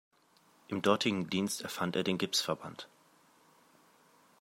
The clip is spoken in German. Im dortigen Dienst erfand er den Gipsverband.